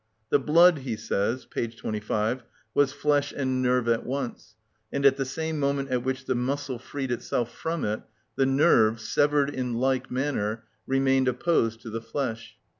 "The blood," he says, p. 25, "was flesh and nerve at once, and at the same moment at which the muscle freed itself from it the nerve, severed in like manner, remained opposed to the flesh."